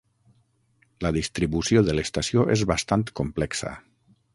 La distribució de l'estació és bastant complexa.